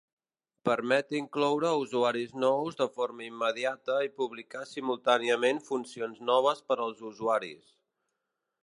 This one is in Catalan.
Permet incloure usuaris nous de forma immediata i publicar simultàniament funcions noves per als usuaris.